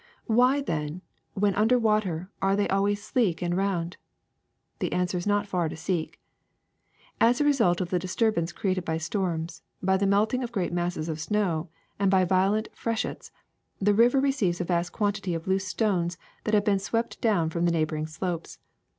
Why, then, when under water are they always sleek and round? The answer is not far to seek. ^*As a result of the disturbance created by storms, by the melting of great masses of snow, and by vio lent freshets, the river receives a vast quantity of loose stones that have been swept down from the neighboring slopes.